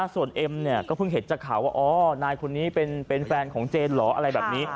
ส่วนเอ็มเนี่ยก็เพิ่งเห็นจากข่าวว่าอ๋อนายคนนี้เป็นแฟนของเจนเหรออะไรแบบนี้